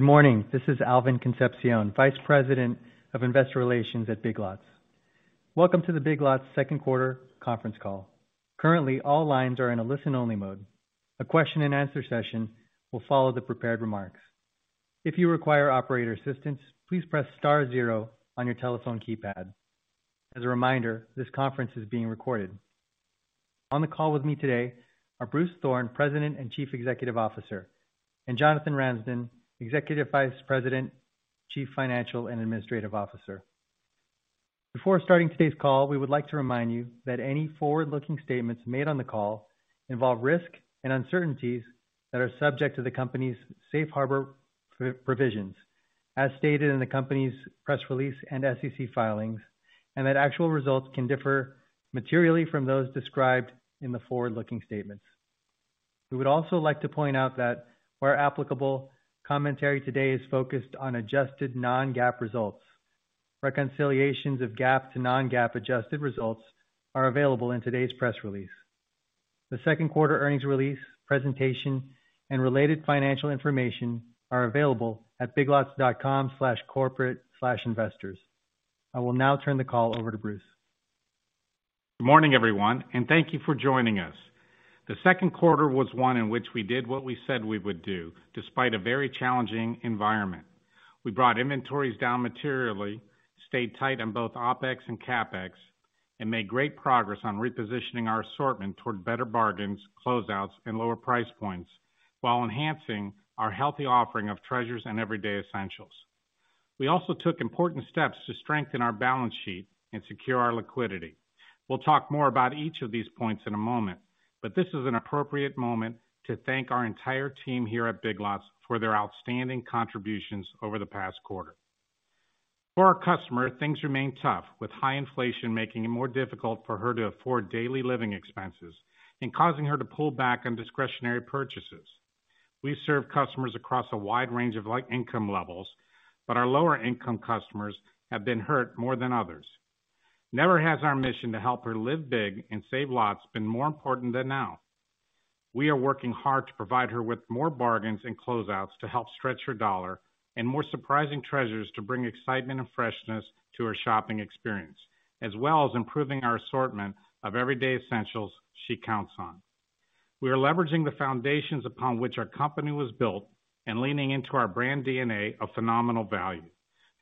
Good morning. This is Alvin Concepcion, Vice President of Investor Relations at Big Lots. Welcome to the Big Lots second quarter conference call. Currently, all lines are in a listen only mode. A question and answer session will follow the prepared remarks. If you require operator assistance, please press star zero on your telephone keypad. As a reminder, this conference is being recorded. On the call with me today are Bruce Thorn, President and Chief Executive Officer, and Jonathan Ramsden, Executive Vice President, Chief Financial and Administrative Officer. Before starting today's call, we would like to remind you that any forward-looking statements made on the call involve risk and uncertainties that are subject to the company's safe harbor provisions as stated in the company's press release and SEC filings. That actual results can differ materially from those described in the forward-looking statements. We would also like to point out that where applicable, commentary today is focused on adjusted non-GAAP results. Reconciliations of GAAP to non-GAAP adjusted results are available in today's press release. The second quarter earnings release presentation and related financial information are available at biglots.com/corporate/investors. I will now turn the call over to Bruce. Good morning everyone, and thank you for joining us. The second quarter was one in which we did what we said we would do, despite a very challenging environment. We brought inventories down materially, stayed tight on both OpEx and CapEx, and made great progress on repositioning our assortment toward better bargains, closeouts, and lower price points while enhancing our healthy offering of treasures and everyday essentials. We also took important steps to strengthen our balance sheet and secure our liquidity. We'll talk more about each of these points in a moment, but this is an appropriate moment to thank our entire team here at Big Lots for their outstanding contributions over the past quarter. For our customer, things remain tough, with high inflation making it more difficult for her to afford daily living expenses and causing her to pull back on discretionary purchases. We serve customers across a wide range of like income levels, but our lower income customers have been hurt more than others. Never has our mission to help her live big and save lots been more important than now. We are working hard to provide her with more bargains and closeouts to help stretch her dollar and more surprising treasures to bring excitement and freshness to her shopping experience, as well as improving our assortment of everyday essentials she counts on. We are leveraging the foundations upon which our company was built and leaning into our brand DNA of phenomenal value.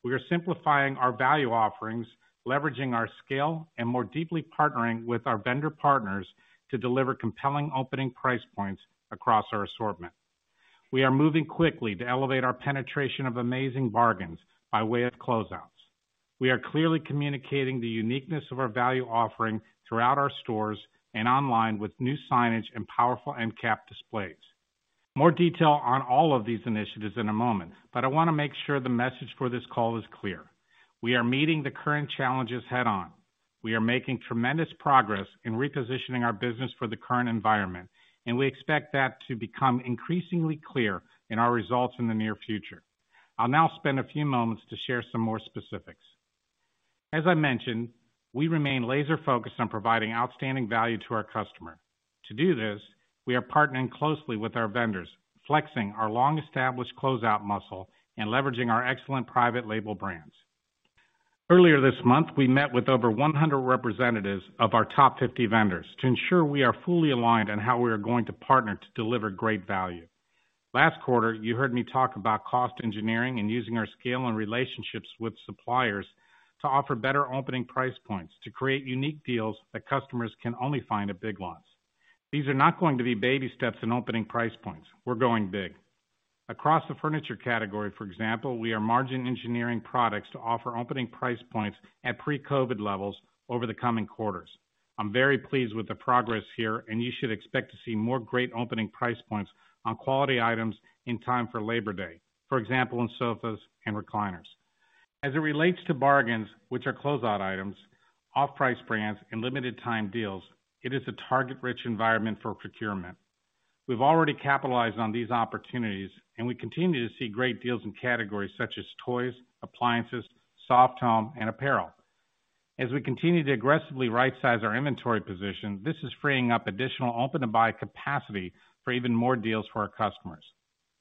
We are simplifying our value offerings, leveraging our scale, and more deeply partnering with our vendor partners to deliver compelling opening price points across our assortment. We are moving quickly to elevate our penetration of amazing bargains by way of closeouts. We are clearly communicating the uniqueness of our value offering throughout our stores and online with new signage and powerful end cap displays. More detail on all of these initiatives in a moment, but I wanna make sure the message for this call is clear. We are meeting the current challenges head on. We are making tremendous progress in repositioning our business for the current environment, and we expect that to become increasingly clear in our results in the near future. I'll now spend a few moments to share some more specifics. As I mentioned, we remain laser focused on providing outstanding value to our customer. To do this, we are partnering closely with our vendors, flexing our long established closeout muscle and leveraging our excellent private label brands. Earlier this month, we met with over 100 representatives of our top 50 vendors to ensure we are fully aligned on how we are going to partner to deliver great value. Last quarter, you heard me talk about cost engineering and using our scale and relationships with suppliers to offer better opening price points to create unique deals that customers can only find at Big Lots. These are not going to be baby steps in opening price points. We're going big. Across the furniture category, for example, we are margin engineering products to offer opening price points at pre-COVID levels over the coming quarters. I'm very pleased with the progress here and you should expect to see more great opening price points on quality items in time for Labor Day, for example, in sofas and recliners. As it relates to bargains, which are closeout items, off-price brands and limited time deals, it is a target rich environment for procurement. We've already capitalized on these opportunities and we continue to see great deals in categories such as toys, appliances, soft home and apparel. As we continue to aggressively right-size our inventory position, this is freeing up additional open-to-buy capacity for even more deals for our customers.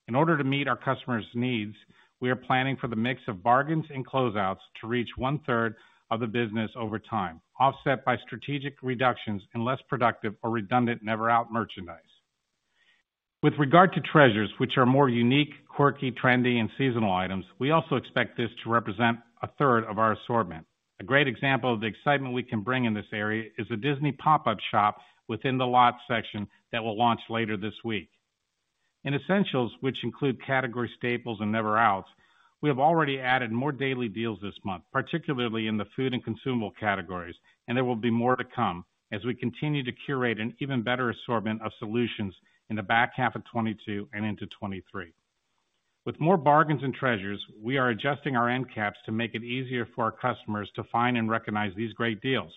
In order to meet our customers' needs, we are planning for the mix of bargains and closeouts to reach one-third of the business over time, offset by strategic reductions in less productive or redundant never-out merchandise. With regard to treasures which are more unique, quirky, trendy and seasonal items, we also expect this to represent a third of our assortment. A great example of the excitement we can bring in this area is the Disney pop-up shop within The LOT! section that will launch later this week. In essentials, which include category staples and never outs, we have already added more daily deals this month, particularly in the food and consumable categories, and there will be more to come as we continue to curate an even better assortment of solutions in the back half of 2022 and into 2023. With more bargains and treasures, we are adjusting our end caps to make it easier for our customers to find and recognize these great deals.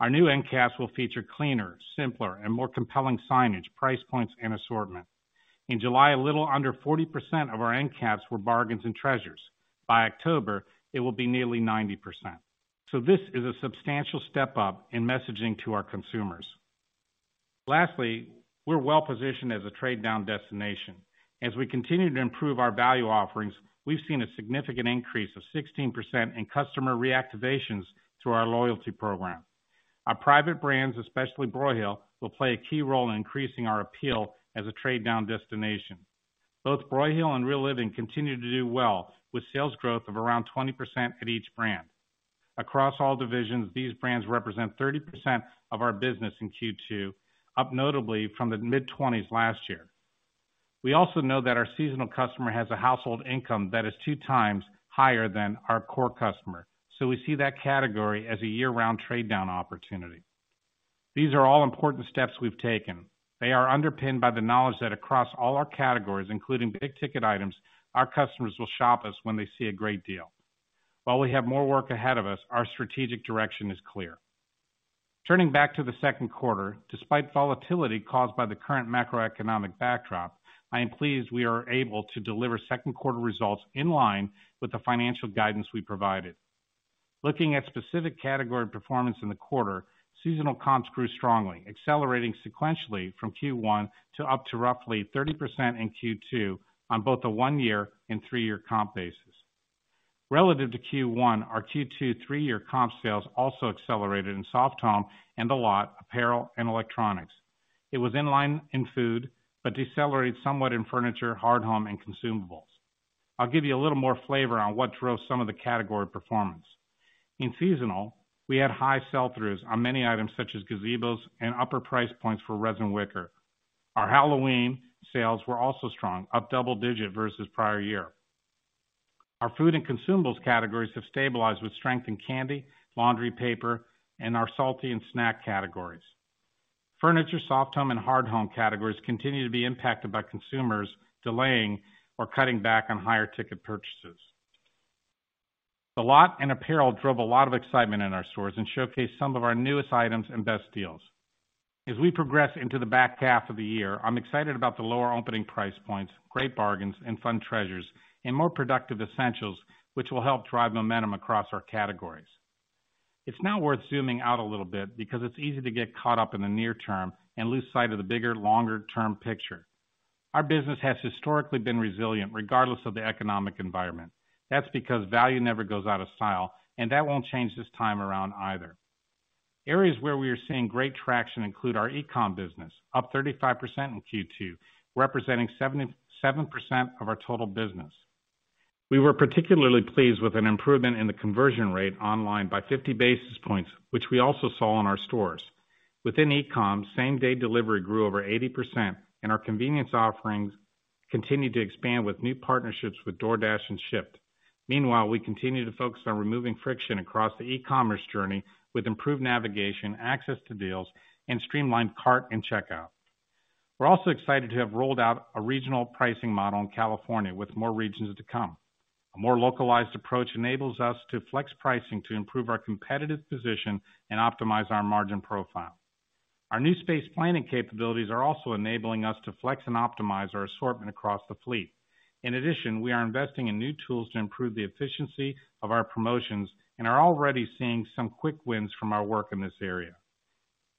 Our new end caps will feature cleaner, simpler and more compelling signage, price points and assortment. In July, a little under 40% of our end caps were bargains and treasures. By October, it will be nearly 90%. This is a substantial step up in messaging to our consumers. Lastly, we're well-positioned as a trade-down destination. As we continue to improve our value offerings, we've seen a significant increase of 16% in customer reactivations through our loyalty program. Our private brands, especially Broyhill, will play a key role in increasing our appeal as a trade-down destination. Both Broyhill and Real Living continue to do well, with sales growth of around 20% at each brand. Across all divisions, these brands represent 30% of our business in Q2, up notably from the mid-20s last year. We also know that our seasonal customer has a household income that is 2x higher than our core customer, so we see that category as a year-round trade-down opportunity. These are all important steps we've taken. They are underpinned by the knowledge that across all our categories, including big-ticket items, our customers will shop us when they see a great deal. While we have more work ahead of us, our strategic direction is clear. Turning back to the second quarter, despite volatility caused by the current macroeconomic backdrop, I am pleased we are able to deliver second quarter results in line with the financial guidance we provided. Looking at specific category performance in the quarter, seasonal comps grew strongly, accelerating sequentially from Q1 to up to roughly 30% in Q2 on both a 1-year and 3-year comp basis. Relative to Q1, our Q2 3-year comp sales also accelerated in soft home and The LOT, apparel and electronics. It was in line in food, but decelerated somewhat in furniture, hard home, and consumables. I'll give you a little more flavor on what drove some of the category performance. In seasonal, we had high sell-throughs on many items such as gazebos and upper price points for resin wicker. Our Halloween sales were also strong, up double-digit versus prior year. Our food and consumables categories have stabilized with strength in candy, laundry, paper, and our salty and snack categories. Furniture, soft home, and hard home categories continue to be impacted by consumers delaying or cutting back on higher ticket purchases. The LOT and apparel drove a lot of excitement in our stores and showcased some of our newest items and best deals. As we progress into the back half of the year, I'm excited about the lower opening price points, great bargains, and fun treasures, and more productive essentials, which will help drive momentum across our categories. It's now worth zooming out a little bit because it's easy to get caught up in the near term and lose sight of the bigger, longer-term picture. Our business has historically been resilient regardless of the economic environment. That's because value never goes out of style, and that won't change this time around either. Areas where we are seeing great traction include our e-com business, up 35% in Q2, representing 77% of our total business. We were particularly pleased with an improvement in the conversion rate online by 50 basis points, which we also saw in our stores. Within e-com, same-day delivery grew over 80% and our convenience offerings continued to expand with new partnerships with DoorDash and Shipt. Meanwhile, we continue to focus on removing friction across the e-commerce journey with improved navigation, access to deals, and streamlined cart and checkout. We're also excited to have rolled out a regional pricing model in California with more regions to come. A more localized approach enables us to flex pricing to improve our competitive position and optimize our margin profile. Our new space planning capabilities are also enabling us to flex and optimize our assortment across the fleet. In addition, we are investing in new tools to improve the efficiency of our promotions and are already seeing some quick wins from our work in this area.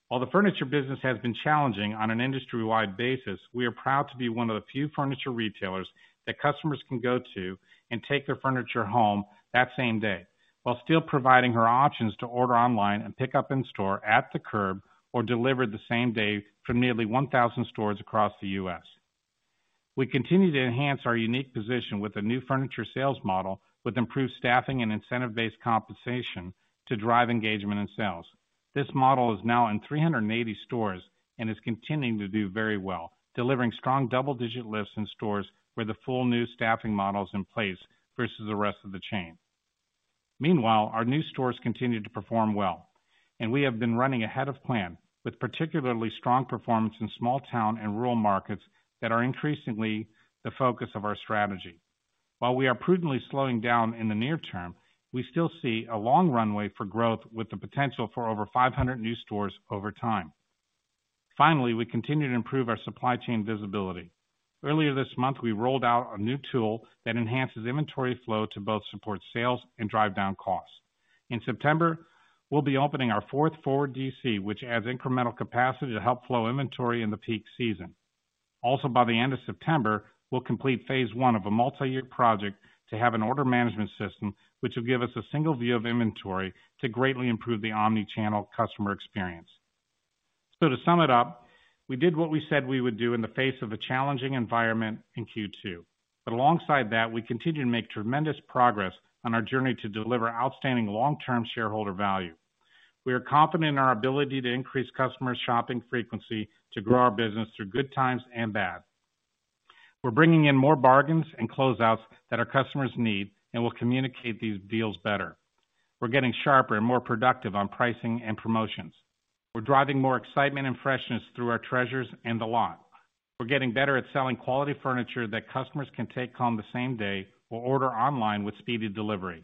While the furniture business has been challenging on an industry-wide basis, we are proud to be one of the few furniture retailers that customers can go to and take their furniture home that same day while still providing their options to order online and pick up in store at the curb or delivered the same day from nearly 1,000 stores across the U.S. We continue to enhance our unique position with a new furniture sales model with improved staffing and incentive-based compensation to drive engagement and sales. This model is now in 380 stores and is continuing to do very well, delivering strong double-digit lifts in stores where the full new staffing model is in place versus the rest of the chain. Meanwhile, our new stores continue to perform well, and we have been running ahead of plan with particularly strong performance in small town and rural markets that are increasingly the focus of our strategy. While we are prudently slowing down in the near term, we still see a long runway for growth with the potential for over 500 new stores over time. Finally, we continue to improve our supply chain visibility. Earlier this month, we rolled out a new tool that enhances inventory flow to both support sales and drive down costs. In September, we'll be opening our fourth forward DC, which adds incremental capacity to help flow inventory in the peak season. Also, by the end of September, we'll complete phase one of a multi-year project to have an order management system, which will give us a single view of inventory to greatly improve the omni-channel customer experience. To sum it up, we did what we said we would do in the face of a challenging environment in Q2. Alongside that, we continue to make tremendous progress on our journey to deliver outstanding long-term shareholder value. We are confident in our ability to increase customers' shopping frequency to grow our business through good times and bad. We're bringing in more bargains and closeouts that our customers need, and we'll communicate these deals better. We're getting sharper and more productive on pricing and promotions. We're driving more excitement and freshness through our treasures and The LOT!. We're getting better at selling quality furniture that customers can take home the same day or order online with speedy delivery.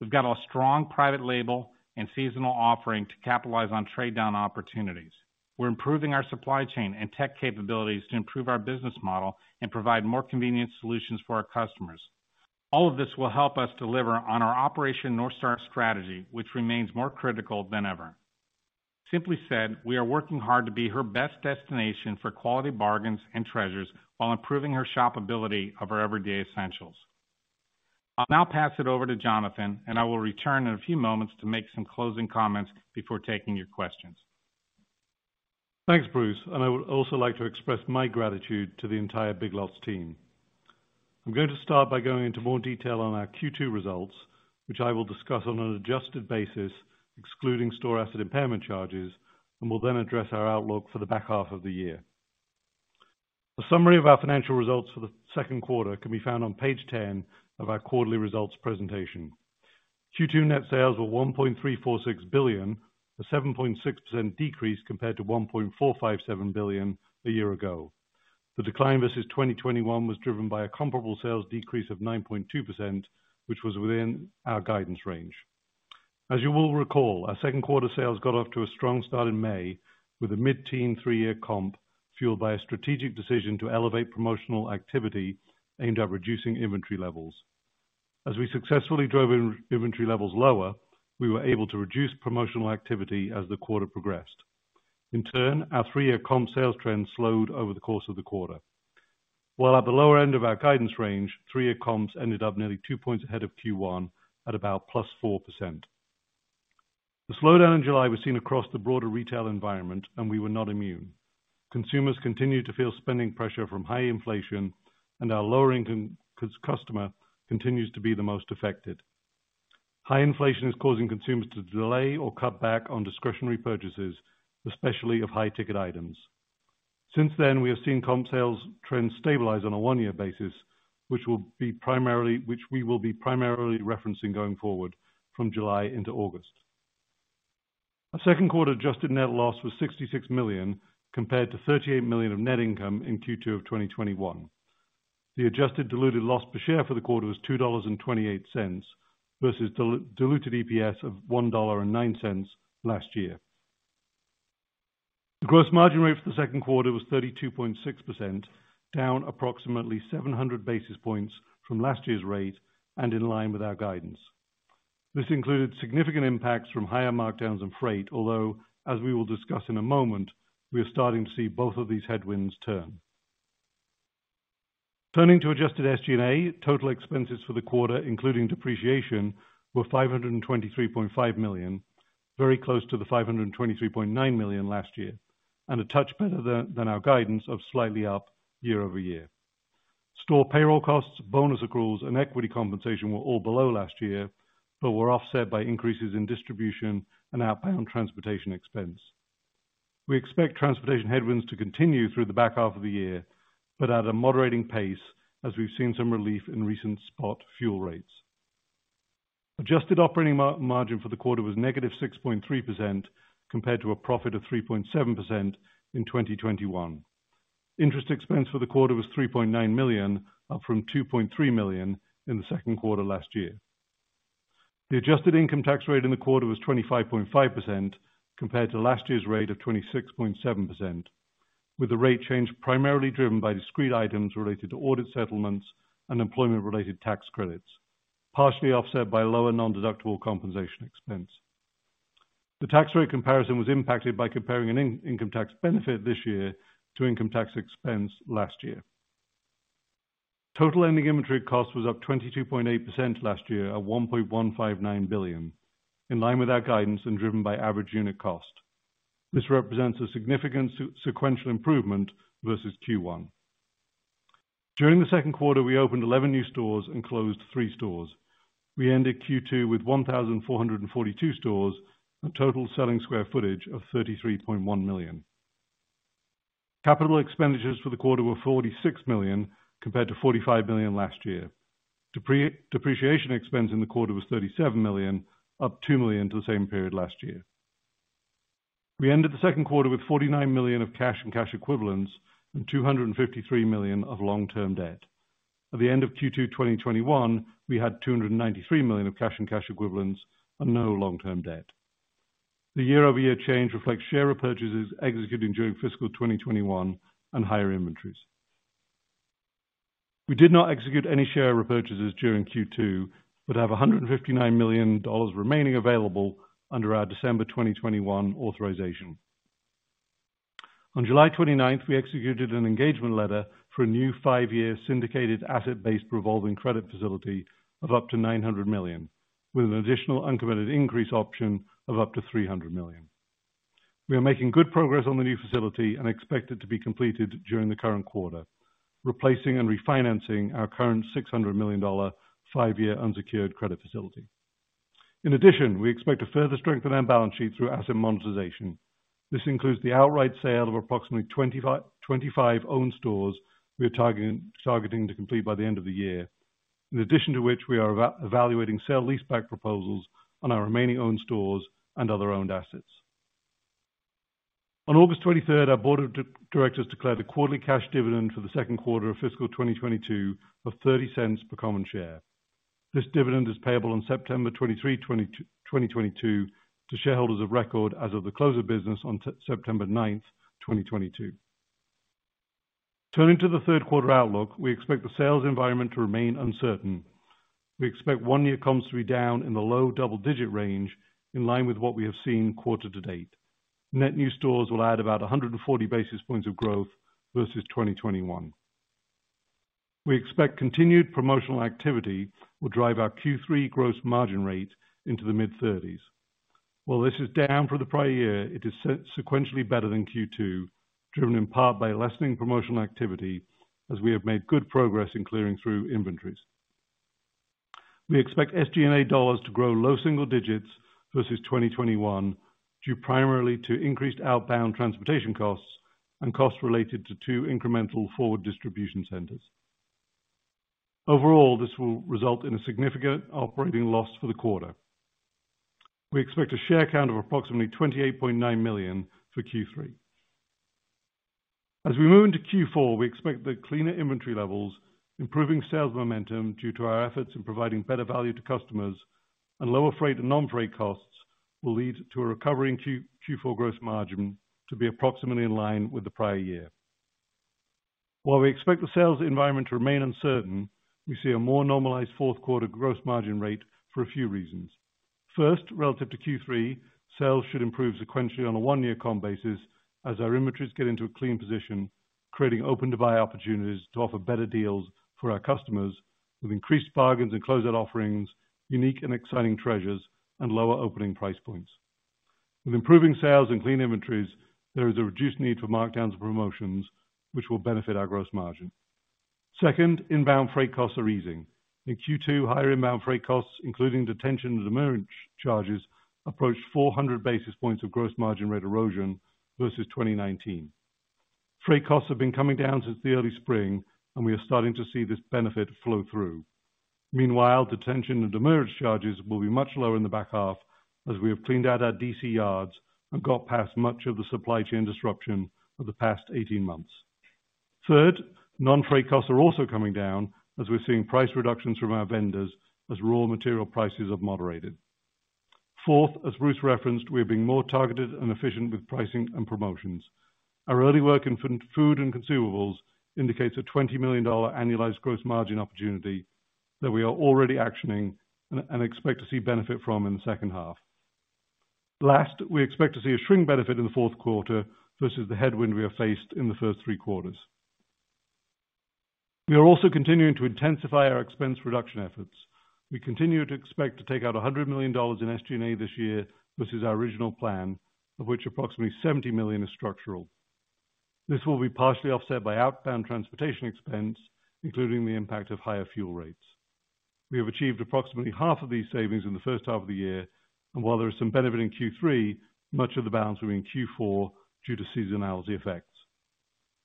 We've got a strong private label and seasonal offering to capitalize on trade down opportunities. We're improving our supply chain and tech capabilities to improve our business model and provide more convenient solutions for our customers. All of this will help us deliver on our Operation North Star strategy, which remains more critical than ever. Simply said, we are working hard to be the best destination for quality bargains and treasures while imjproving the shopability of our everyday essentials. I'll now pass it over to Jonathan, and I will return in a few moments to make some closing comments before taking your questions. Thanks Bruce, and I would also like to express my gratitude to the entire Big Lots team. I'm going to start by going into more detail on our Q2 results, which I will discuss on an adjusted basis, excluding store asset impairment charges, and will then address our outlook for the back half of the year. A summary of our financial results for the second quarter can be found on page 10 of our quarterly results presentation. Q2 net sales were $1.346 billion, a 7.6% decrease compared to $1.457 billion a year ago. The decline versus 2021 was driven by a comparable sales decrease of 9.2%, which was within our guidance range. As you will recall, our second quarter sales got off to a strong start in May with a mid-teen three-year comp fueled by a strategic decision to elevate promotional activity aimed at reducing inventory levels. As we successfully drove inventory levels lower, we were able to reduce promotional activity as the quarter progressed. In turn, our three-year comp sales trend slowed over the course of the quarter. While at the lower end of our guidance range, three-year comps ended up nearly 2 points ahead of Q1 at about +4%. The slowdown in July was seen across the broader retail environment, and we were not immune. Consumers continued to feel spending pressure from high inflation, and our lower-income customer continues to be the most affected. High inflation is causing consumers to delay or cut back on discretionary purchases, especially of high-ticket items. Since then, we have seen comp sales trends stabilize on a one-year basis, which we will be primarily referencing going forward from July into August. Our second quarter adjusted net loss was $66 million compared to $38 million of net income in Q2 of 2021. The adjusted diluted loss per share for the quarter was $2.28 versus diluted EPS of $1.09 last year. The gross margin rate for the second quarter was 32.6%, down approximately 700 basis points from last year's rate and in line with our guidance. This included significant impacts from higher markdowns and freight, although, as we will discuss in a moment, we are starting to see both of these headwinds turn. Turning to adjusted SG&A, total expenses for the quarter, including depreciation, were $523.5 million, very close to the $523.9 million last year, and a touch better than our guidance of slightly up year-over-year. Store payroll costs, bonus accruals, and equity compensation were all below last year, but were offset by increases in distribution and outbound transportation expense. We expect transportation headwinds to continue through the back half of the year, but at a moderating pace as we've seen some relief in recent spot fuel rates. Adjusted operating margin for the quarter was -6.3% compared to a profit of 3.7% in 2021. Interest expense for the quarter was $3.9 million, up from $2.3 million in the second quarter last year. The adjusted income tax rate in the quarter was 25.5% compared to last year's rate of 26.7%, with the rate change primarily driven by discrete items related to audit settlements and employment-related tax credits, partially offset by lower nondeductible compensation expense. The tax rate comparison was impacted by comparing an income tax benefit this year to income tax expense last year. Total ending inventory cost was up 22.8% last year at $1.159 billion, in line with our guidance and driven by average unit cost. This represents a significant sequential improvement versus Q1. During the second quarter, we opened 11 new stores and closed three stores. We ended Q2 with 1,442 stores and total selling square footage of 33.1 million. Capital expenditures for the quarter were $46 million compared to $45 million last year. Depreciation expense in the quarter was $37 million, up $2 million to the same period last year. We ended the second quarter with $49 million of cash and cash equivalents and $253 million of long-term debt. At the end of Q2 2021, we had $293 million of cash and cash equivalents and no long-term debt. The year-over-year change reflects share repurchases executed during fiscal 2021 and higher inventories. We did not execute any share repurchases during Q2, but have $159 million remaining available under our December 2021 authorization. On July 29, we executed an engagement letter for a new five-year syndicated asset-based revolving credit facility of up to $900 million, with an additional uncommitted increase option of up to $300 million. We are making good progress on the new facility and expect it to be completed during the current quarter, replacing and refinancing our current $600 million five-year unsecured credit facility. In addition, we expect to further strengthen our balance sheet through asset monetization. This includes the outright sale of approximately 25 owned stores we are targeting to complete by the end of the year. In addition to which, we are evaluating sale leaseback proposals on our remaining owned stores and other owned assets. On August 23, our Board of Directors declared a quarterly cash dividend for the second quarter of fiscal 2022 of $0.30 per common share. This dividend is payable on September 23, 2022 to shareholders of record as of the close of business on September 9, 2022. Turning to the third quarter outlook, we expect the sales environment to remain uncertain. We expect one-year comps to be down in the low double-digit range in line with what we have seen quarter to date. Net new stores will add about 140 basis points of growth versus 2021. We expect continued promotional activity will drive our Q3 gross margin rate into the mid-30s. While this is down for the prior year, it is sequentially better than Q2, driven in part by lessening promotional activity as we have made good progress in clearing through inventories. We expect SG&A dollars to grow low single digits versus 2021, due primarily to increased outbound transportation costs and costs related to two incremental forward distribution centers. Overall, this will result in a significant operating loss for the quarter. We expect a share count of approximately 28.9 million for Q3. As we move into Q4, we expect the cleaner inventory levels, improving sales momentum due to our efforts in providing better value to customers and lower freight and non-freight costs will lead to a recovery in Q4 gross margin to be approximately in line with the prior year. While we expect the sales environment to remain uncertain, we see a more normalized fourth quarter gross margin rate for a few reasons. First, relative to Q3, sales should improve sequentially on a one-year comp basis as our inventories get into a clean position, creating open-to-buy opportunities to offer better deals for our customers with increased bargains and closeout offerings, unique and exciting treasures, and lower opening price points. With improving sales and clean inventories, there is a reduced need for markdowns and promotions which will benefit our gross margin. Second, inbound freight costs are easing. In Q2, higher inbound freight costs, including detention and demurrage charges, approached 400 basis points of gross margin rate erosion versus 2019. Freight costs have been coming down since the early spring, and we are starting to see this benefit flow through. Meanwhile, detention and demurrage charges will be much lower in the back half as we have cleaned out our DC yards and got past much of the supply chain disruption of the past 18 months. Third, non-freight costs are also coming down as we're seeing price reductions from our vendors as raw material prices have moderated. Fourth, as Bruce referenced, we are being more targeted and efficient with pricing and promotions. Our early work in food and consumables indicates a $20 million annualized gross margin opportunity that we are already actioning and expect to see benefit from in the second half. Last, we expect to see a shrink benefit in the fourth quarter versus the headwind we have faced in the first three quarters. We are also continuing to intensify our expense reduction efforts. We continue to expect to take out $100 million in SG&A this year versus our original plan, of which approximately $70 million is structural. This will be partially offset by outbound transportation expense, including the impact of higher fuel rates. We have achieved approximately half of these savings in the first half of the year, and while there is some benefit in Q3, much of the balance will be in Q4 due to seasonality effects.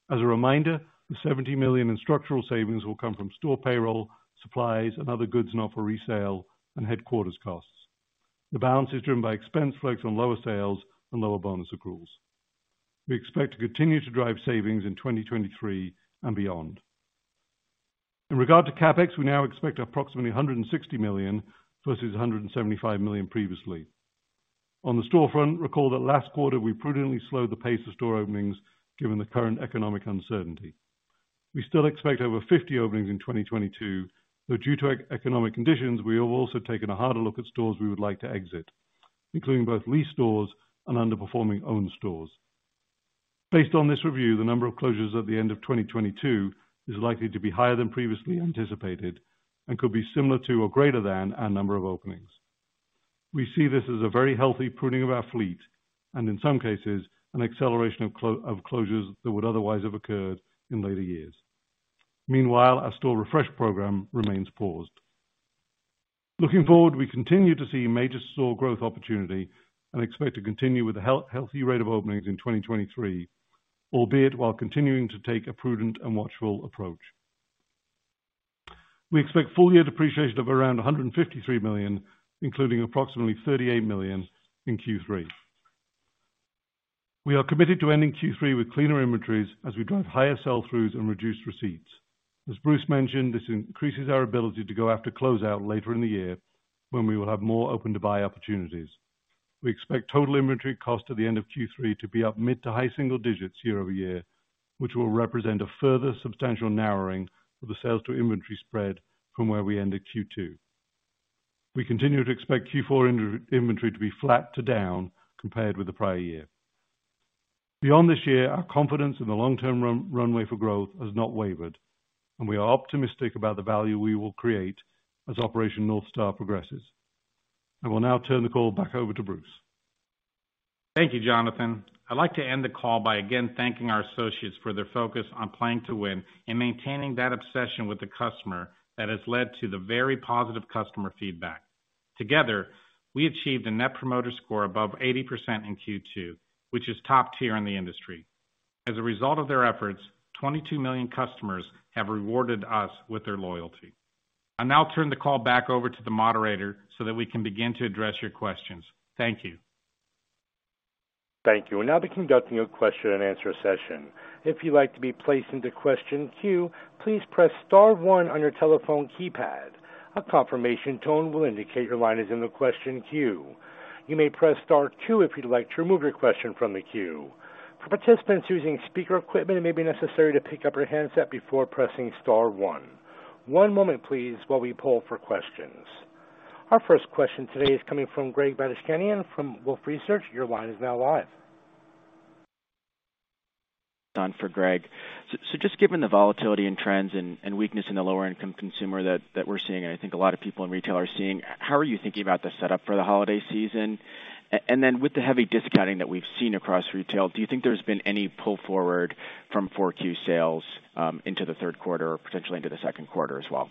As a reminder, the $70 million in structural savings will come from store payroll, supplies and other goods not for resale and headquarters costs. The balance is driven by expense floats on lower sales and lower bonus accruals. We expect to continue to drive savings in 2023 and beyond. In regard to CapEx, we now expect approximately $160 million versus $175 million previously. On the storefront, recall that last quarter we prudently slowed the pace of store openings given the current economic uncertainty. We still expect over 50 openings in 2022, though due to economic conditions, we have also taken a harder look at stores we would like to exit, including both leased stores and underperforming owned stores. Based on this review, the number of closures at the end of 2022 is likely to be higher than previously anticipated and could be similar to or greater than our number of openings. We see this as a very healthy pruning of our fleet and, in some cases, an acceleration of closures that would otherwise have occurred in later years. Meanwhile, our store refresh program remains paused. Looking forward, we continue to see major store growth opportunity and expect to continue with a healthy rate of openings in 2023, albeit while continuing to take a prudent and watchful approach. We expect full year depreciation of around $153 million, including approximately $38 million in Q3. We are committed to ending Q3 with cleaner inventories as we drive higher sell-throughs and reduced receipts. As Bruce mentioned, this increases our ability to go after closeout later in the year when we will have more open-to-buy opportunities. We expect total inventory cost at the end of Q3 to be up mid- to high-single-digits% year-over-year, which will represent a further substantial narrowing of the sales to inventory spread from where we ended Q2. We continue to expect Q4 inventory to be flat to down compared with the prior year. Beyond this year, our confidence in the long-term runway for growth has not wavered, and we are optimistic about the value we will create as Operation North Star progresses. I will now turn the call back over to Bruce. Thank you Jonathan I'd like to end the call by again thanking our associates for their focus on planning to win and maintaining that obsession with the customer that has led to the very positive customer feedback. Together, we achieved a Net Promoter Score above 80% in Q2, which is top tier in the industry. As a result of their efforts, 22 million customers have rewarded us with their loyalty. I'll now turn the call back over to the moderator so that we can begin to address your questions. Thank you. Thank you. We'll now be conducting a question and answer session. If you'd like to be placed into question queue, please press star one on your telephone keypad. A confirmation tone will indicate your line is in the question queue. You may press star two if you'd like to remove your question from the queue. For participants using speaker equipment, it may be necessary to pick up your handset before pressing star one. One moment please while we poll for questions. Our first question today is coming from Greg Badishkanian from Wolfe Research. Your line is now live. Don for Greg. Just given the volatility and trends and weakness in the lower income consumer that we're seeing, and I think a lot of people in retail are seeing, how are you thinking about the setup for the holiday season? With the heavy discounting that we've seen across retail, do you think there's been any pull forward from 4Q sales into the third quarter or potentially into the second quarter as well?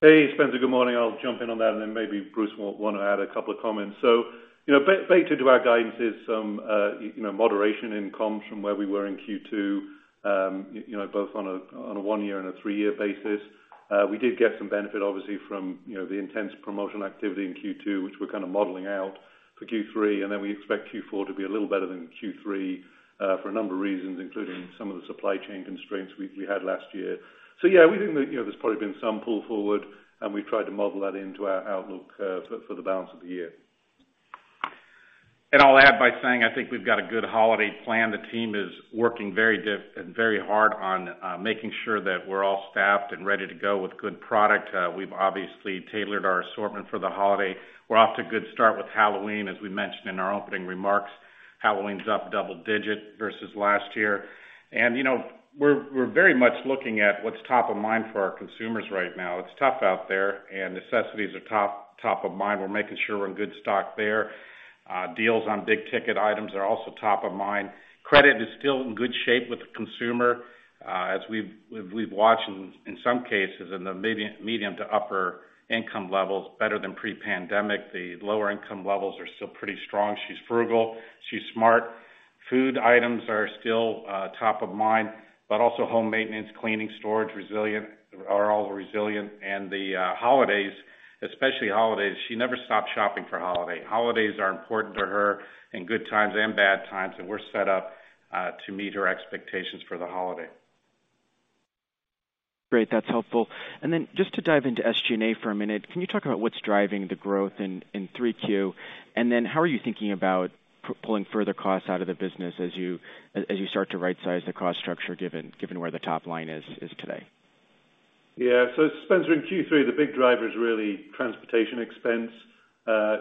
Hey, Spencer good morning. I'll jump in on that, and then maybe Bruce will wanna add a couple of comments. You know, baked into our guidance is some, you know, moderation in comps from where we were in Q2, you know, both on a one-year and a three-year basis. We did get some benefit obviously from, you know, the intense promotion activity in Q2, which we're kind of modeling out for Q3, and then we expect Q4 to be a little better than Q3, for a number of reasons, including some of the supply chain constraints we had last year. Yeah, we think that, you know, there's probably been some pull forward, and we've tried to model that into our outlook, for the balance of the year. I'll add by saying, I think we've got a good holiday plan. The team is working very hard on making sure that we're all staffed and ready to go with good product. We've obviously tailored our assortment for the holiday. We're off to a good start with Halloween, as we mentioned in our opening remarks. Halloween's up double digit versus last year. You know, we're very much looking at what's top of mind for our consumers right now. It's tough out there, and necessities are top of mind. We're making sure we're in good stock there. Deals on big ticket items are also top of mind. Credit is still in good shape with the consumer, as we've watched in some cases in the medium to upper income levels, better than pre-pandemic. The lower income levels are still pretty strong. She's frugal. She's smart. Food items are still top of mind, but also home maintenance, cleaning, storage, resilient are all resilient. The holidays, especially holidays, she never stopped shopping for holiday. Holidays are important to her in good times and bad times, and we're set up to meet her expectations for the holiday. Great. That's helpful. Just to dive into SG&A for a minute, can you talk about what's driving the growth in 3Q? How are you thinking about pulling further costs out of the business as you start to right-size the cost structure, given where the top line is today? Yeah Spencer in Q3, the big driver is really transportation expense,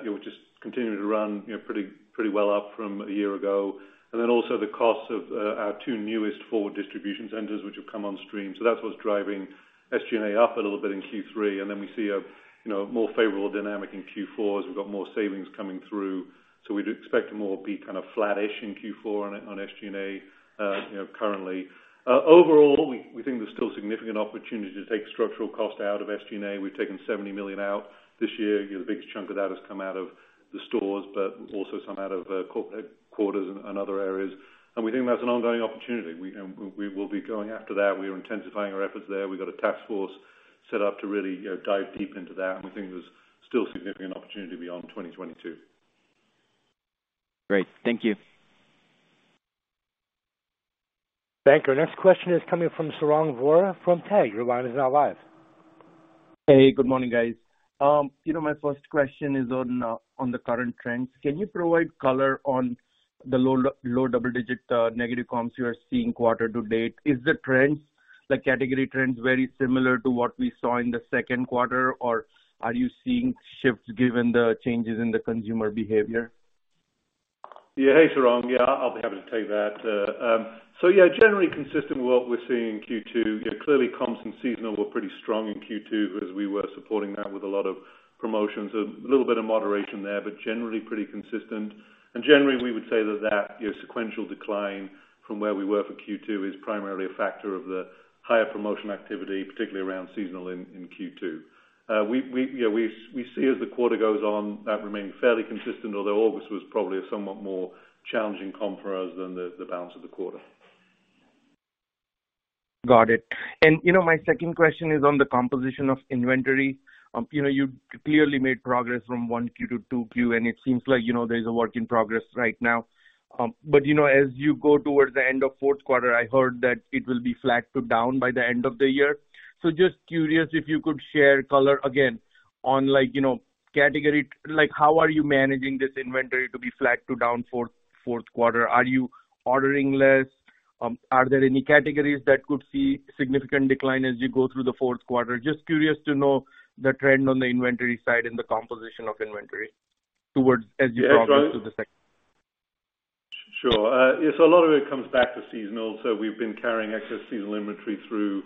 you know, just continuing to run, you know, pretty well up from a year ago. Then also the cost of our two newest forward distribution centers, which have come on stream. That's what's driving SG&A up a little bit in Q3. Then we see a more favorable dynamic in Q4 as we've got more savings coming through. We do expect to be kind of flat-ish in Q4 on SG&A currently. Overall, we think there's still significant opportunity to take structural cost out of SG&A. We've taken $70 million out this year. You know, the biggest chunk of that has come out of the stores, but also some out of corporate headquarters and other areas. We think that's an ongoing opportunity. We will be going after that. We are intensifying our efforts there. We've got a task force set up to really, you know, dive deep into that, and we think there's still significant opportunity beyond 2022. Great. Thank you. Thank you. Our next question is coming from Sarang Vora from Telsey Advisory Group. Your line is now live. Hey good morning guys. You know, my first question is on the current trends. Can you provide color on the low double-digit negative comps you are seeing quarter to date? Is the trends the category trends very similar to what we saw in the second quarter, or are you seeing shifts given the changes in the consumer behavior? Yeah Hey Sarang yeah I'll be happy to take that. So yeah, generally consistent with what we're seeing in Q2. You know, clearly comps and seasonal were pretty strong in Q2 as we were supporting that with a lot of promotions. A little bit of moderation there, but generally pretty consistent. Generally, we would say that, you know, sequential decline from where we were for Q2 is primarily a factor of the higher promotion activity, particularly around seasonal in Q2. We, you know, we see as the quarter goes on, that remained fairly consistent, although August was probably a somewhat more challenging comp for us than the balance of the quarter. Got it you know my second question is on the composition of inventory. You know, you clearly made progress from 1Q to 2Q, and it seems like, you know, there's a work in progress right now. You know, as you go towards the end of fourth quarter, I heard that it will be flat to down by the end of the year. Just curious if you could share color again on like, you know, category. Like, how are you managing this inventory to be flat to down fourth quarter? Are you ordering less? Are there any categories that could see significant decline as you go through the fourth quarter? Just curious to know the trend on the inventory side and the composition of inventory towards as you progress to the second- Sure yeah a lot of it comes back to seasonal. We've been carrying excess seasonal inventory through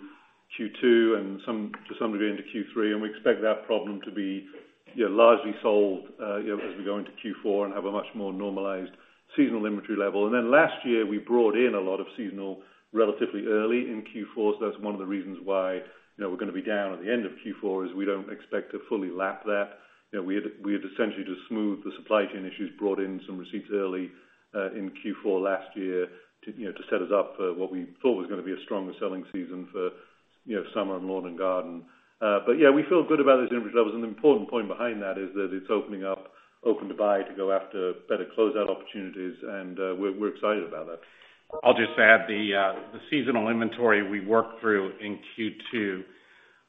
Q2 and some to some degree into Q3, and we expect that problem to be, you know, largely solved, you know, as we go into Q4 and have a much more normalized seasonal inventory level. Last year, we brought in a lot of seasonal relatively early in Q4. That's one of the reasons why, you know, we're gonna be down at the end of Q4, is we don't expect to fully lap that. You know, we had essentially to smooth the supply chain issues, brought in some receipts early in Q4 last year to, you know, to set us up for what we thought was gonna be a stronger selling season for, you know, summer and lawn and garden. Yeah, we feel good about this inventory levels, and the important point behind that is that it's opening up open-to-buy to go after better closeout opportunities, and we're excited about that. I'll just add the seasonal inventory we worked through in Q2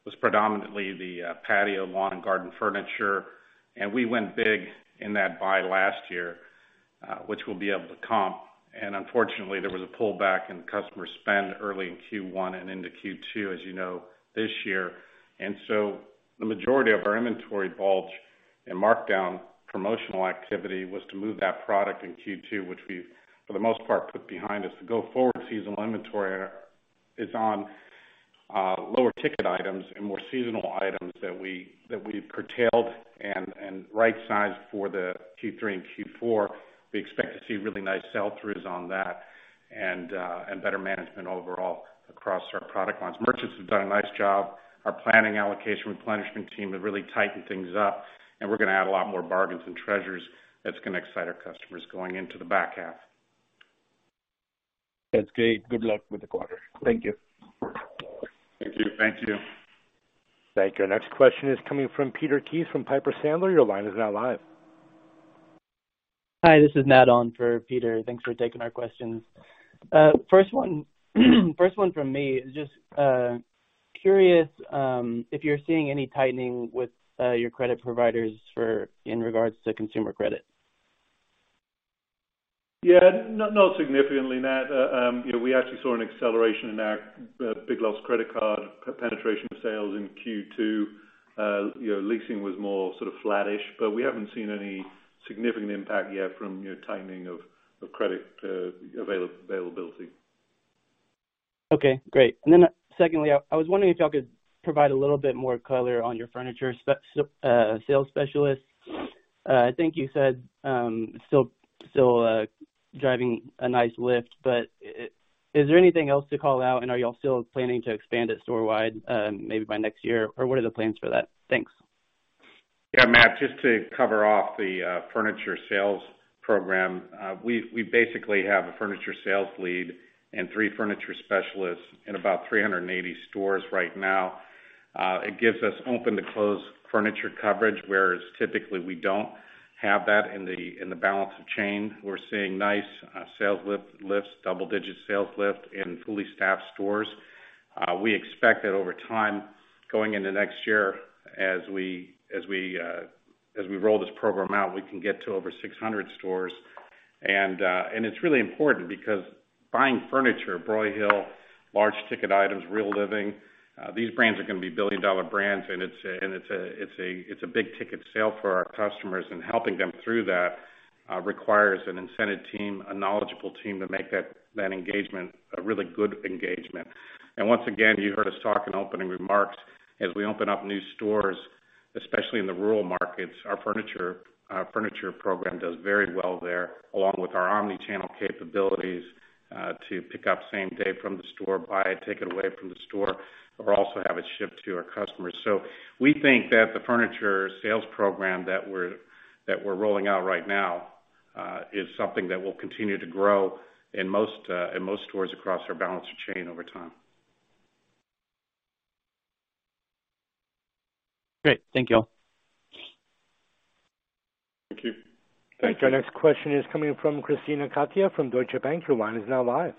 was predominantly the patio, lawn and garden furniture. We went big in that buy last year, which we'll be able to comp. Unfortunately, there was a pullback in customer spend early in Q1 and into Q2, as you know, this year. The majority of our inventory bulge and markdown promotional activity was to move that product in Q2, which we've, for the most part, put behind us. The go-forward seasonal inventory is on lower ticket items and more seasonal items that we've curtailed and rightsized for the Q3 and Q4. We expect to see really nice sell-throughs on that and better management overall across our product lines. Merchants have done a nice job. Our planning allocation replenishment team have really tightened things up, and we're gonna add a lot more bargains and treasures that's gonna excite our customers going into the back half. That's great. Good luck with the quarter. Thank you. Thank you. Thank you. Thank you. Our next question is coming from Peter Keith from Piper Sandler. Your line is now live. Hi, this is Matt on for Peter. Thanks for taking our questions. First one from me is just curious if you're seeing any tightening with your credit providers in regards to consumer credit. Yeah. Not significantly, Matt. You know, we actually saw an acceleration in our Big Lots Credit Card penetration of sales in Q2. You know, leasing was more sort of flat-ish, but we haven't seen any significant impact yet from you know, tightening of credit availability. Okay. Great. Then secondly, I was wondering if y'all could provide a little bit more color on your furniture sales specialists. I think you said still driving a nice lift, but is there anything else to call out, and are y'all still planning to expand it store-wide, maybe by next year? Or what are the plans for that? Thanks. Yeah Matt just to cover off the furniture sales program, we basically have a furniture sales lead and three furniture specialists in about 380 stores right now. It gives us open-to-close furniture coverage, whereas typically we don't have that in the balance of the chain. We're seeing nice sales lifts, double-digit sales lift in fully staffed stores. We expect that over time, going into next year, as we roll this program out, we can get to over 600 stores. It's really important because buying furniture, Broyhill, large ticket items, Real Living, these brands are gonna be billion-dollar brands, and it's a big ticket sale for our customers. Helping them through that requires an incentive team, a knowledgeable team to make that engagement a really good engagement. Once again, you heard us talk in opening remarks, as we open up new stores, especially in the rural markets, our furniture program does very well there, along with our omni-channel capabilities to pick up same-day from the store, buy it, take it away from the store, or also have it shipped to our customers. We think that the furniture sales program that we're rolling out right now is something that will continue to grow in most stores across our balance of chain over time. Great. Thank you all. Thank you. Thank you. Our next question is coming from Krisztina Katai from Deutsche Bank. Your line is now live.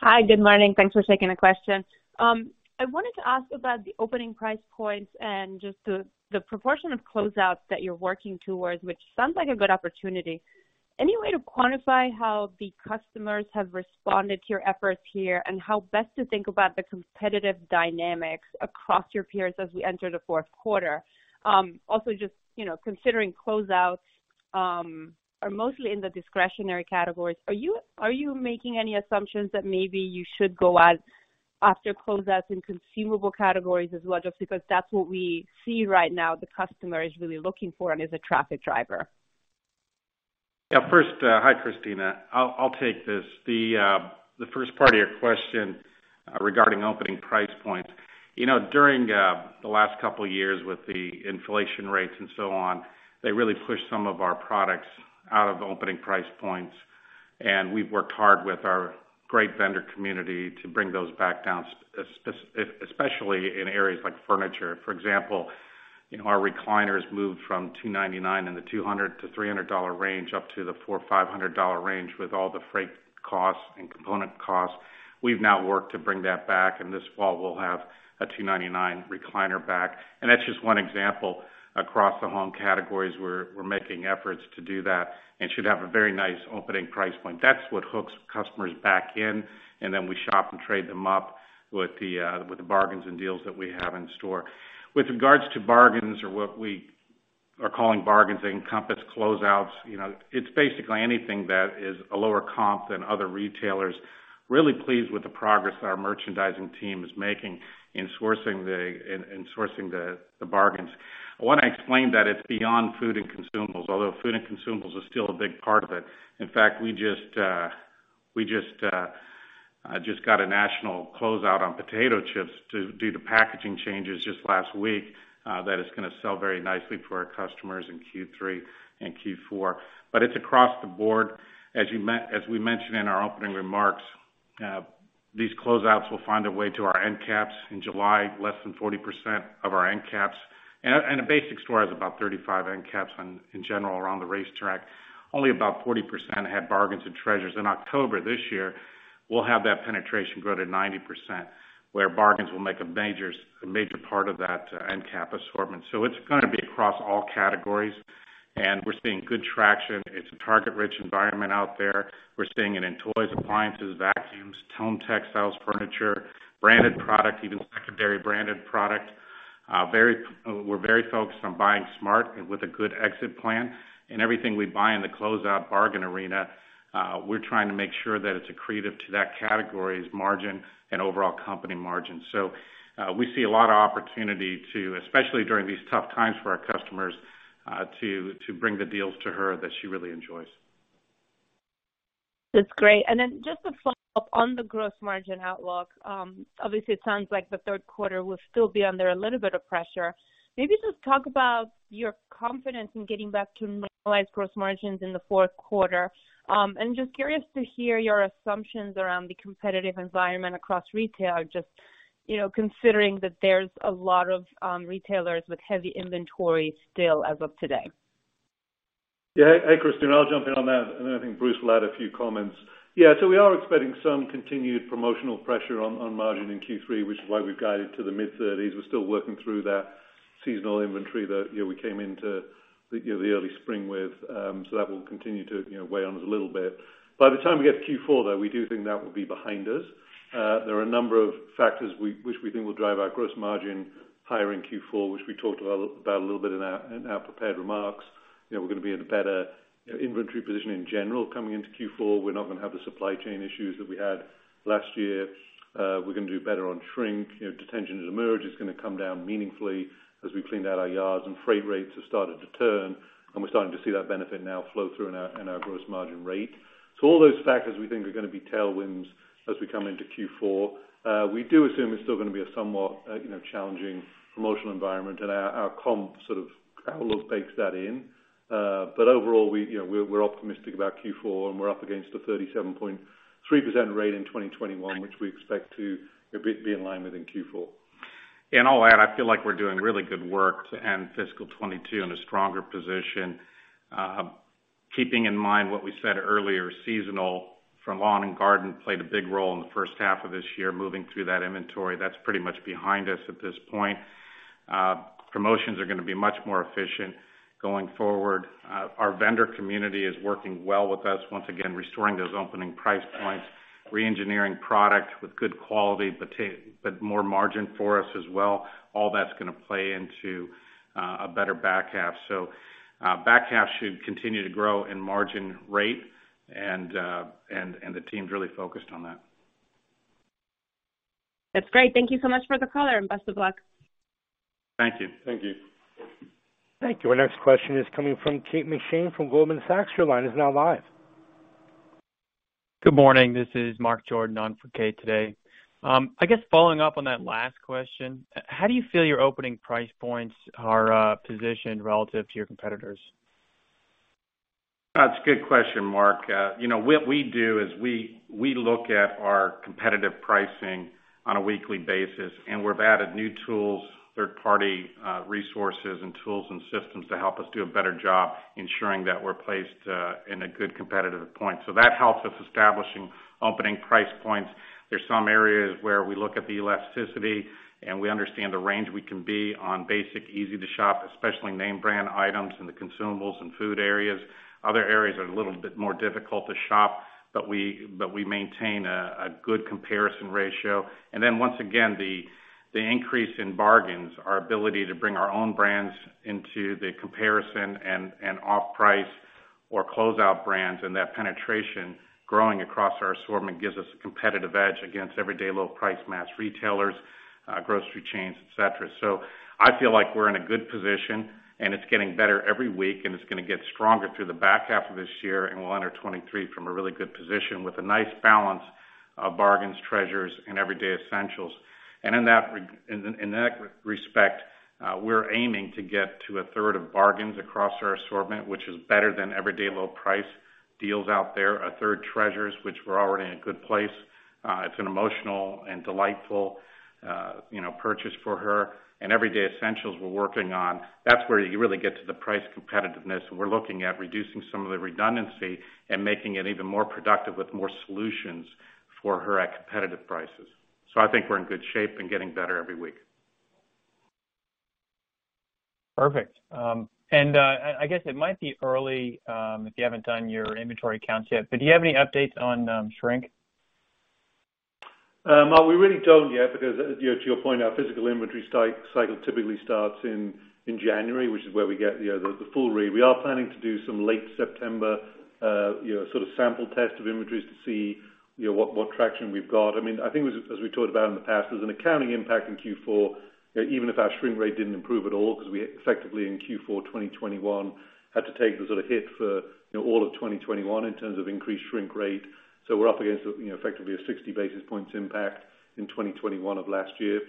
Hi. Good morning. Thanks for taking the question. I wanted to ask about the opening price points and just the proportion of closeouts that you're working towards, which sounds like a good opportunity. Any way to quantify how the customers have responded to your efforts here, and how best to think about the competitive dynamics across your peers as we enter the fourth quarter? Also just, you know, considering closeouts are mostly in the discretionary categories. Are you making any assumptions that maybe you should go after closeouts in consumable categories as well, just because that's what we see right now, the customer is really looking for and is a traffic driver? Yeah. First, hi, Krisztina. I'll take this. The first part of your question regarding opening price points. You know, during the last couple years with the inflation rates and so on, they really pushed some of our products out of opening price points, and we've worked hard with our great vendor community to bring those back down, especially in areas like furniture. For example, you know, our recliners moved from $299 in the $200-$300 range up to the $400-$500 range with all the freight costs and component costs. We've now worked to bring that back, and this fall we'll have a $299 recliner back. That's just one example. Across the home categories, we're making efforts to do that and should have a very nice opening price point. That's what hooks customers back in, and then we shop and trade them up with the bargains and deals that we have in store. With regards to bargains or what we are calling bargains, they encompass closeouts. You know, it's basically anything that is a lower comp than other retailers. Really pleased with the progress that our merchandising team is making in sourcing the bargains. I wanna explain that it's beyond food and consumables, although food and consumables are still a big part of it. In fact, we just got a national closeout on potato chips due to the packaging changes just last week, that is gonna sell very nicely for our customers in Q3 and Q4. It's across the board. As we mentioned in our opening remarks, these closeouts will find a way to our end caps. In July, less than 40% of our end caps. A basic store has about 35 end caps in general, around the racetrack. Only about 40% have bargains and treasures. In October this year, we'll have that penetration grow to 90%, where bargains will make a major part of that end cap assortment. It's gonna be across all categories, and we're seeing good traction. It's a target-rich environment out there. We're seeing it in toys, appliances, vacuums, home textiles, furniture, branded product, even secondary branded product. We're very focused on buying smart and with a good exit plan. Everything we buy in the closeout bargain arena, we're trying to make sure that it's accretive to that category's margin and overall company margin. We see a lot of opportunity to, especially during these tough times for our customers, to bring the deals to her that she really enjoys. That's great. Then just a follow-up on the gross margin outlook. Obviously, it sounds like the third quarter will still be under a little bit of pressure. Maybe just talk about your confidence in getting back to normalized gross margins in the fourth quarter. Just curious to hear your assumptions around the competitive environment across retail, just, you know, considering that there's a lot of retailers with heavy inventory still as of today. Yeah. Hey Krisztina, I'll jump in on that, and then I think Bruce will add a few comments. Yeah. We are expecting some continued promotional pressure on margin in Q3, which is why we've guided to the mid-30s. We're still working through that seasonal inventory that, you know, we came into, you know, the early spring with. That will continue to, you know, weigh on us a little bit. By the time we get to Q4, though, we do think that will be behind us. There are a number of factors which we think will drive our gross margin higher in Q4, which we talked about a little bit in our prepared remarks. You know, we're gonna be in a better, you know, inventory position in general coming into Q4. We're not gonna have the supply chain issues that we had last year. We're gonna do better on shrink. You know, detention has emerged. It's gonna come down meaningfully as we cleaned out our yards, and freight rates have started to turn, and we're starting to see that benefit now flow through in our gross margin rate. All those factors we think are gonna be tailwinds as we come into Q4. We do assume it's still gonna be a somewhat, you know, challenging promotional environment, and our comp sort of outlook bakes that in. Overall, we, you know, we're optimistic about Q4, and we're up against a 37.3% rate in 2021, which we expect to, you know, be in line with in Q4. I'll add, I feel like we're doing really good work to end fiscal 2022 in a stronger position. Keeping in mind what we said earlier, seasonality for lawn and garden played a big role in the first half of this year, moving through that inventory. That's pretty much behind us at this point. Promotions are gonna be much more efficient going forward. Our vendor community is working well with us, once again, restoring those opening price points, reengineering product with good quality, but more margin for us as well. All that's gonna play into a better back half. Back half should continue to grow in margin rate and the team's really focused on that. That's great. Thank you so much for the color and best of luck. Thank you. Thank you. Thank you. Our next question is coming from Kate McShane from Goldman Sachs. Your line is now live. Good morning. This is Mark Jordan on for Kate today. I guess following up on that last question, how do you feel your opening price points are positioned relative to your competitors? That's a good question, Mark. You know, what we do is we look at our competitive pricing on a weekly basis, and we've added new tools, third party resources and tools and systems to help us do a better job ensuring that we're placed in a good competitive point. That helps us establishing opening price points. There's some areas where we look at the elasticity, and we understand the range we can be on basic, easy to shop, especially name brand items in the consumables and food areas. Other areas are a little bit more difficult to shop, but we maintain a good comparison ratio. Then once again, the increase in bargains, our ability to bring our own brands into the comparison and off-price or closeout brands and that penetration growing across our assortment gives us a competitive edge against everyday low price mass retailers, grocery chains, et cetera. I feel like we're in a good position, and it's getting better every week, and it's gonna get stronger through the back half of this year, and we'll enter 2023 from a really good position with a nice balance of bargains, treasures, and everyday essentials. In that respect, we're aiming to get to a third of bargains across our assortment, which is better than everyday low price deals out there. A third treasures, which we're already in a good place. It's an emotional and delightful, you know, purchase for her. Everyday essentials we're working on. That's where you really get to the price competitiveness, and we're looking at reducing some of the redundancy and making it even more productive with more solutions for her at competitive prices. I think we're in good shape and getting better every week. Perfect. I guess it might be early, if you haven't done your inventory counts yet, but do you have any updates on shrink? Well we really don't yet because, you know, to your point, our physical inventory cycle typically starts in January, which is where we get, you know, the full read. We are planning to do some late September, you know, sort of sample test of inventories to see, you know, what traction we've got. I mean, I think as we talked about in the past, there's an accounting impact in Q4, you know, even if our shrink rate didn't improve at all because we effectively in Q4 2021 had to take the sort of hit for, you know, all of 2021 in terms of increased shrink rate. We're up against, you know, effectively a 60 basis points impact in 2021 of last year.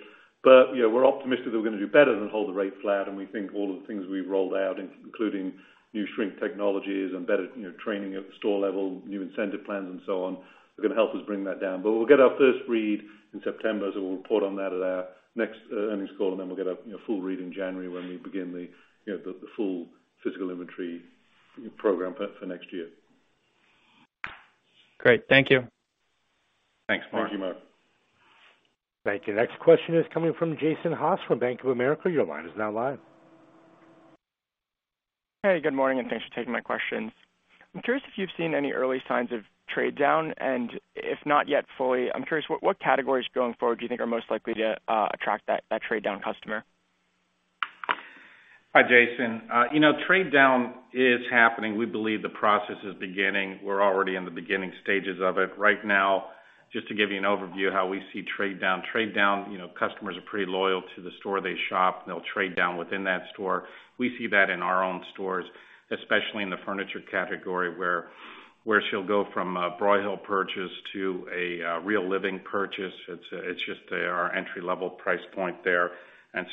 you know we're optimistic that we're gonna do better than hold the rate flat, and we think all of the things we've rolled out, including new shrink technologies and better, you know, training at the store level, new incentive plans and so on, are gonna help us bring that down. We'll get our first read in September, so we'll report on that at our next earnings call, and then we'll get a, you know, full read in January when we begin the, you know, the full physical inventory. Program for next year. Great. Thank you. Thanks Mark. Thank you Mark. Thank you. Next question is coming from Jason Haas from Bank of America. Your line is now live. Hey good morning, and thanks for taking my questions. I'm curious if you've seen any early signs of trade down, and if not yet fully, I'm curious, what categories going forward do you think are most likely to attract that trade down customer? Hi Jason. You know, trade down is happening. We believe the process is beginning. We're already in the beginning stages of it. Right now, just to give you an overview of how we see trade down. Trade down, you know, customers are pretty loyal to the store they shop. They'll trade down within that store. We see that in our own stores, especially in the furniture category where she'll go from a Broyhill purchase to a Real Living purchase. It's just their entry-level price point there.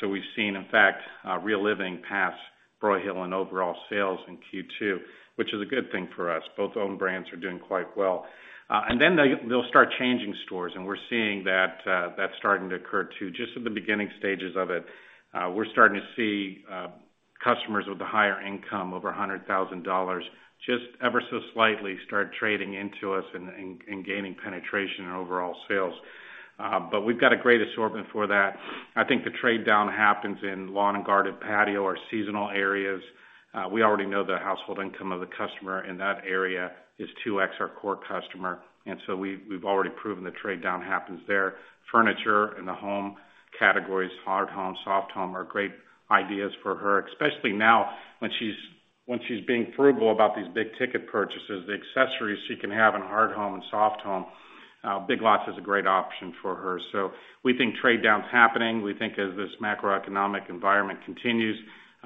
We've seen, in fact, Real Living pass Broyhill in overall sales in Q2, which is a good thing for us. Both own brands are doing quite well. They'll start changing stores, and we're seeing that's starting to occur too. Just at the beginning stages of it. We're starting to see customers with a higher income over $100,000 just ever so slightly start trading into us and gaining penetration in overall sales. But we've got a great assortment for that. I think the trade down happens in lawn and garden, patio or seasonal areas. We already know the household income of the customer in that area is 2x our core customer, and we've already proven the trade down happens there. Furniture in the home categories, hard home, soft home are great ideas for her, especially now when she's being frugal about these big ticket purchases. The accessories she can have in hard home and soft home, Big Lots is a great option for her. We think trade down's happening. We think as this macroeconomic environment continues,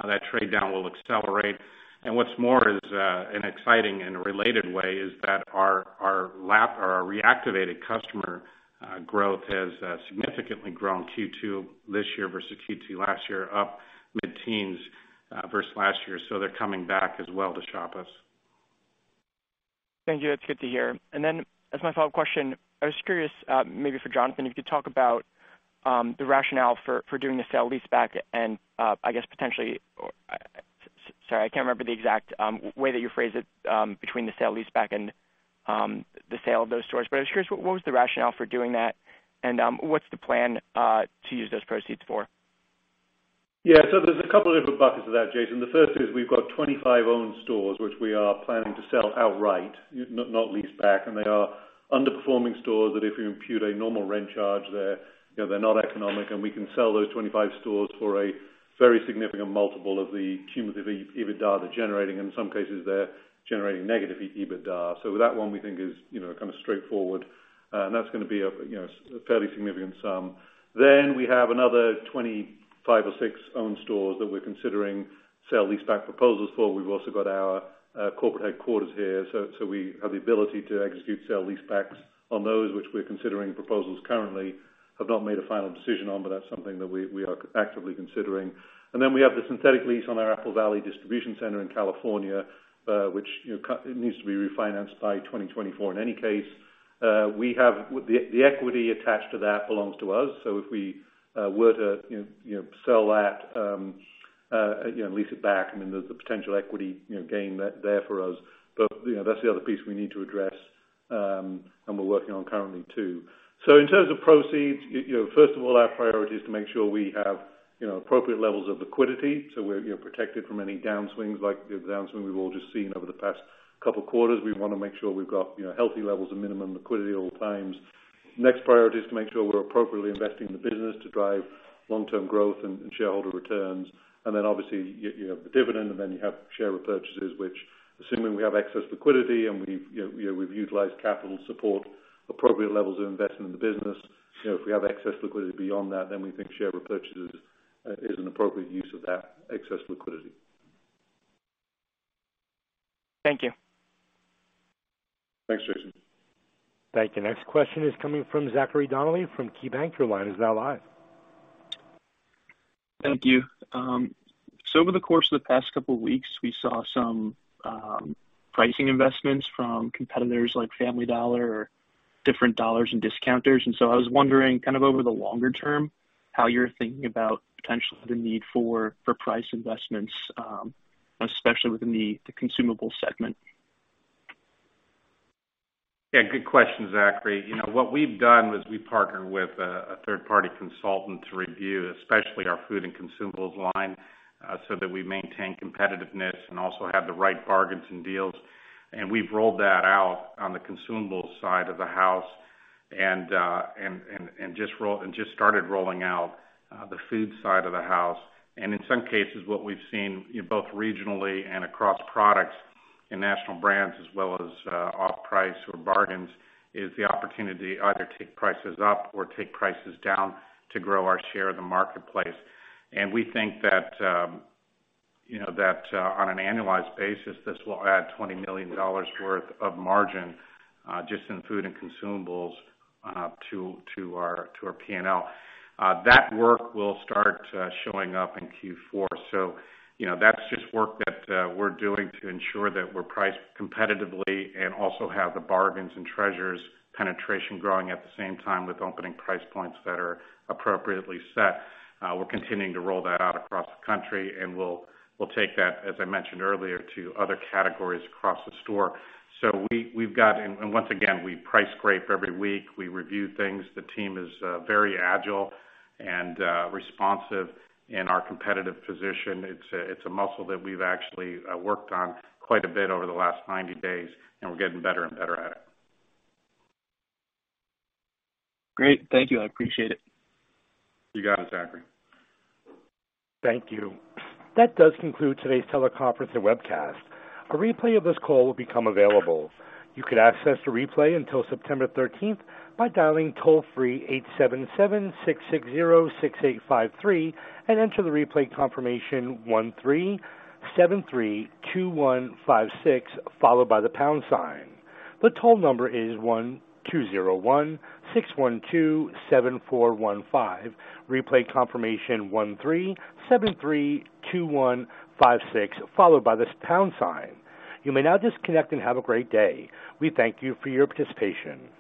that trade down will accelerate. What's more is, an exciting and related way is that our reactivated customer growth has significantly grown Q2 this year versus Q2 last year, up mid-teens, versus last year. They're coming back as well to shop us. Thank you. That's good to hear. As my follow-up question, I was curious, maybe for Jonathan, if you could talk about the rationale for doing the sale leaseback and, I guess potentially. Sorry, I can't remember the exact way that you phrased it, between the sale leaseback and the sale of those stores. I was curious, what was the rationale for doing that? What's the plan to use those proceeds for? Yeah. There's a couple of different buckets of that, Jason. The first is we've got 25 owned stores which we are planning to sell outright, not lease back, and they are underperforming stores that if you impute a normal rent charge, they're, you know, they're not economic, and we can sell those 25 stores for a very significant multiple of the cumulative EBITDA they're generating. In some cases, they're generating negative EBITDA. That one we think is, you know, kind of straightforward. And that's gonna be a, you know, a fairly significant sum. Then we have another 25 or 26 owned stores that we're considering sale-leaseback proposals for. We've also got our corporate headquarters here. We have the ability to execute sale-leasebacks on those which we're considering proposals currently. Have not made a final decision on, but that's something that we are actively considering. Then we have the synthetic lease on our Apple Valley distribution center in California, which, you know, it needs to be refinanced by 2024. In any case, we have the equity attached to that belongs to us. So if we were to, you know, sell that, you know, lease it back, I mean, there's a potential equity, you know, gain there for us. You know, that's the other piece we need to address, and we're working on currently too. In terms of proceeds, you know, first of all, our priority is to make sure we have, you know, appropriate levels of liquidity, so we're, you know, protected from any downswings like the downswing we've all just seen over the past couple quarters. We wanna make sure we've got, you know, healthy levels of minimum liquidity at all times. Next priority is to make sure we're appropriately investing in the business to drive long-term growth and shareholder returns. Then obviously, you have the dividend, and then you have share repurchases, which assuming we have excess liquidity and we've, you know, we've utilized capital support, appropriate levels of investment in the business, you know, if we have excess liquidity beyond that, then we think share repurchases is an appropriate use of that excess liquidity. Thank you. Thanks Jason. Thank you. Next question is coming from Bradley Thomas from KeyBank. Your line is now live. Thank you. Over the course of the past couple weeks, we saw some pricing investments from competitors like Family Dollar or different dollars and discounters. I was wondering, kind of over the longer term, how you're thinking about potentially the need for price investments, especially within the consumable segment. Yeah, good question, Bradley. You know, what we've done is we've partnered with a third-party consultant to review, especially our food and consumables line, so that we maintain competitiveness and also have the right bargains and deals. We've rolled that out on the consumables side of the house and just started rolling out the food side of the house. In some cases, what we've seen both regionally and across products in national brands as well as off-price or bargains, is the opportunity to either take prices up or take prices down to grow our share of the marketplace. We think that, you know, that on an annualized basis, this will add $20 million worth of margin just in food and consumables to our P&L. That work will start showing up in Q4. You know, that's just work that we're doing to ensure that we're priced competitively and also have the bargains and treasures penetration growing at the same time with opening price points that are appropriately set. We're continuing to roll that out across the country, and we'll take that, as I mentioned earlier, to other categories across the store. Once again, we price scrape every week. We review things. The team is very agile and responsive in our competitive position. It's a muscle that we've actually worked on quite a bit over the last 90 days, and we're getting better and better at it. Great. Thank you. I appreciate it. You got it Bradley. Thank you. That does conclude today's teleconference and webcast. A replay of this call will become available. You can access the replay until September 13th by dialing toll-free 877-660-6853 and enter the replay confirmation 13732156, followed by the pound sign. The toll number is 1201-612-7415. Replay confirmation 13732156, followed by the pound sign. You may now disconnect and have a great day. We thank you for your participation.